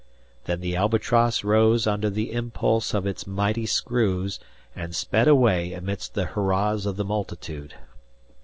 Then the "Albatross" rose under the impulse of its mighty screws, and sped away amidst the hurrahs of the multitude.